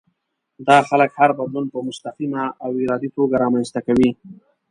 دا خلک هر بدلون په مستقيمه او ارادي توګه رامنځته کوي.